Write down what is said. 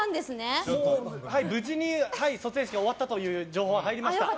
無事に卒園式は終わったという情報は入りました。